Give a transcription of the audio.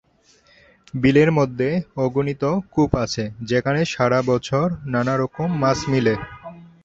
বিলের মধ্যে অগণিত কূপ আছে যেখানে সারা বছর নানারকম মাছ মিলে।